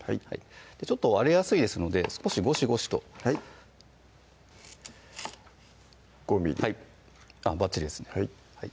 ちょっと割れやすいですので少しゴシゴシとはい５ｍｍばっちりですね